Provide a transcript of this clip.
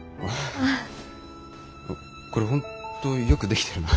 これ本当よく出来てるな。